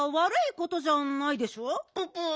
ププ。